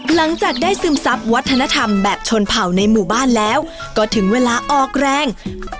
หลังจากได้ซึมซับวัฒนธรรมแบบชนเผ่าในหมู่บ้านแล้วก็ถึงเวลาออกแรง